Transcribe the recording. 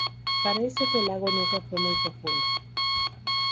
Parece que el lago nunca fue muy profundo.